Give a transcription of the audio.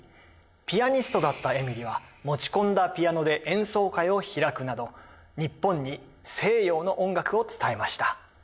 ピアニストだったエミリは持ち込んだピアノで演奏会を開くなど日本に西洋の音楽を伝えました。